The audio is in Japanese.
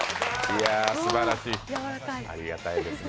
いやあ、すばらしい。